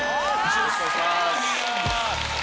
よろしくお願いします。